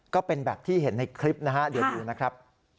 ก็เป็นแบบที่เห็นในคลิปนะฮะเดี๋ยวดูนะครับ